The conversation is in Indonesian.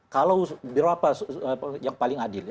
kalau berapa yang paling adil